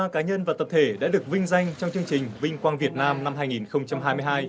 ba cá nhân và tập thể đã được vinh danh trong chương trình vinh quang việt nam năm hai nghìn hai mươi hai